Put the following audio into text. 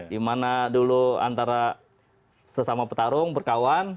dimana dulu antara sesama petarung berkawan